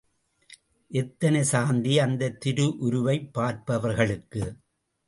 எத்தனை சாந்தி அந்தத் திரு உருவைப் பார்ப்பவர்களுக்கு!